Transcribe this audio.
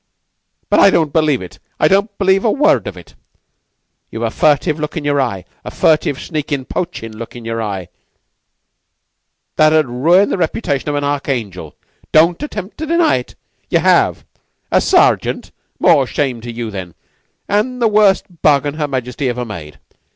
But I don't believe it I don't believe a word of it. Ye've a furtive look in your eye a furtive, sneakin', poachin' look in your eye, that 'ud ruin the reputation of an archangel! Don't attempt to deny it! Ye have! A sergeant? More shame to you, then, an' the worst bargain Her Majesty ever made!